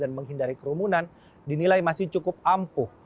dan memakai kerumunan dinilai masih cukup ampuh